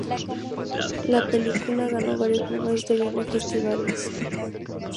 La película ganó varios premios en Tailandia y en festivales.